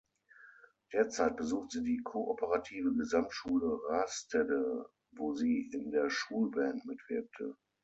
Derzeit besucht sie die Kooperative Gesamtschule Rastede, wo sie in der Schulband mitwirkte.